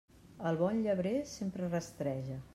El bon llebrer sempre rastreja.